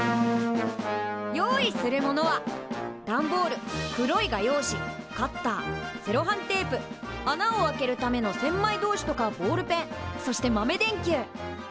用意するものは段ボール黒い画用紙カッターセロハンテープ穴を開けるための千枚通しとかボールペンそして豆電球。